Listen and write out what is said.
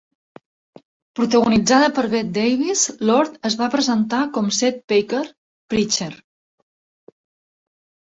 Protagonitzada per Bette Davis, Lord es va presentar com "Seth Parker, Preacher".